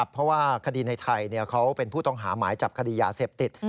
เพราะว่าคดีในไทยเขาเป็นผู้ต้องหาหมายจับคดียาเสพติด